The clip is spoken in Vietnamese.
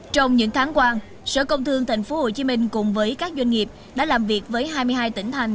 trong những tháng qua sở công thương tp hcm cùng với các doanh nghiệp đã làm việc với hai mươi hai tỉnh thành